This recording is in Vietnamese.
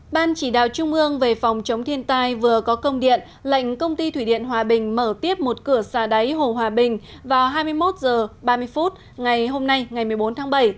ban chỉ đạo trung ương về phòng chống thiên tai vừa có công điện lệnh công ty thủy điện hòa bình mở tiếp một cửa xà đáy hồ hòa bình vào hai mươi một h ba mươi phút ngày hôm nay ngày một mươi bốn tháng bảy